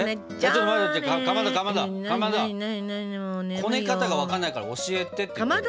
こね方が分かんないから教えてって言ってるの。